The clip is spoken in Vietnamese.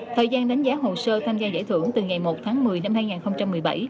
thời gian đánh giá hồ sơ tham gia giải thưởng từ ngày một tháng một mươi năm hai nghìn một mươi bảy